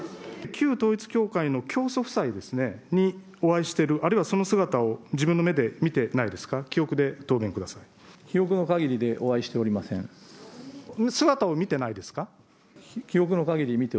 旧統一教会の教祖夫妻にお会いしてる、あるいはその姿を自分の目で見てないですか、記憶のかぎりでお会いしてお姿も見てないですか。